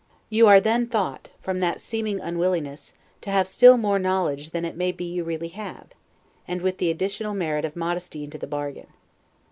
Your are then thought, from that seeming unwillingness, to have still more knowledge than it may be you really have, and with the additional merit of modesty into the bargain.